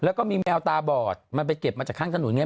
แล้วก็มีแมวตาบอดมันไปเก็บมาจากข้างถนนอย่างนี้